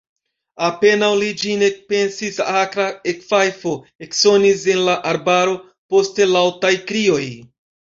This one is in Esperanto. Apenaŭ li ĝin ekpensis, akra ekfajfo eksonis en la arbaro, poste laŭtaj krioj.